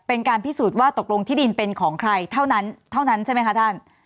เป็นการพิสูจน์ว่าตกลงที่ดินเป็นของใครเท่านั้นเท่านั้นใช่ไหมคะท่าน